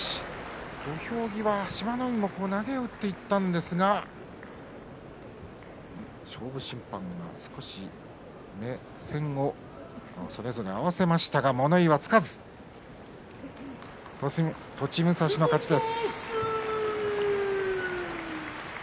土俵際、志摩ノ海も投げを打っていったんですが勝負審判が少し目線を合わせましたが物言いはつかず栃武蔵の勝ちです。